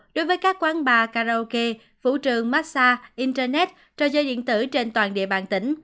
đối với các quán bà karaoke phủ trường massage internet trò chơi điện tử trên toàn địa bàn tỉnh